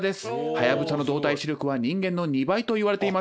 ハヤブサの動体視力は人間の２倍といわれています。